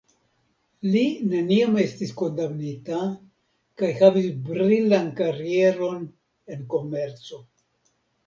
Li neniam estis kondamnita kaj havis brilan karieron en komerco.